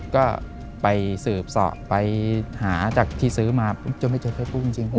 ก็ไปสืบสอบไปหาจากที่ซื้อมาจนไม่เจอเฟซบุ๊คจริง